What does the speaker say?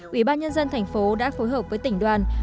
ủy ban nhân dân thành phố đã phối hợp với tỉnh đoàn